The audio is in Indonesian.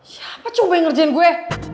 siapa coba yang ngerjain gue